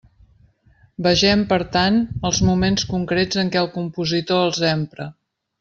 Vegem, per tant, els moments concrets en què el compositor els empra.